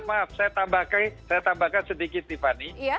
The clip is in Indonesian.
maaf saya tambahkan sedikit tiffany